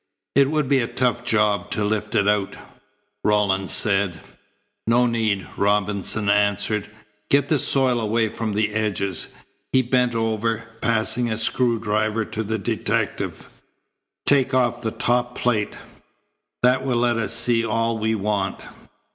"It would be a tough job to lift it out," Rawlins said. "No need," Robinson answered. "Get the soil away from the edges." He bent over, passing a screw driver to the detective. "Take off the top plate. That will let us see all we want."